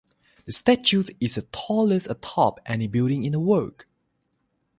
The statue is the tallest atop any building in the world.